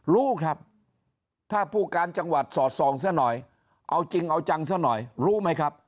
รู้ครับถ้าผู้การจังหวัดสอดส่องซะหน่อยเอาจริงเอาจังซะหน่อยรู้ไหมครับ